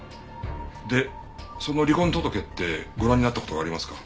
でその離婚届ってご覧になった事がありますか？